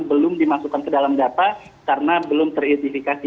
belum dimasukkan ke dalam data karena belum teridentifikasi